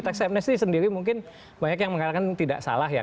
teks amnesty sendiri mungkin banyak yang mengatakan tidak salah ya